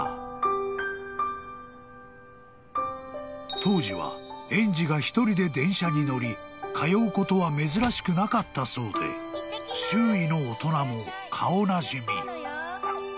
［当時は園児が１人で電車に乗り通うことは珍しくなかったそうで周囲の大人も顔なじみ］